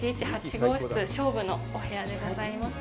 号室菖蒲のお部屋でございます